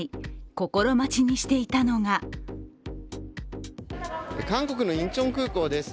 心待ちにしていのが韓国のインチョン空港です。